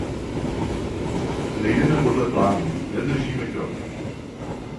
Nejdeme podle plánu, nedržíme krok.